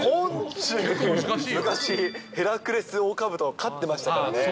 昔、ヘラクレスオオカブトを勝ってましたからね。